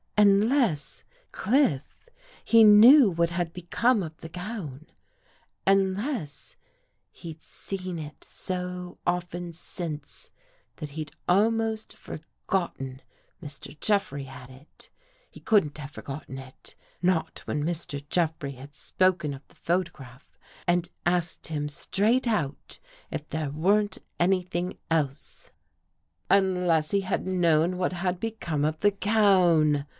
" Un less, Cliff, he knew what had become of the gown — unless he'd seen it so often since, that he'd almost forgotten Mr. Jeffrey had it. He couldn't have forgotten it. Not when Mr. Jeffrey had spoken of the photograph and asked him straight out if there weren't anything else." " Unless he had known what had become of the gown